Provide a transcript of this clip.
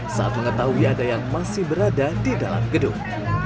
saat mengetahui ada yang masih berada di dalam gedung